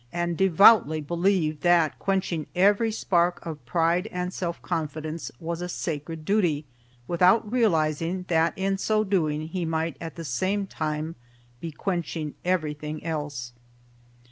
and devoutly believed that quenching every spark of pride and self confidence was a sacred duty, without realizing that in so doing he might at the same time be quenching everything else.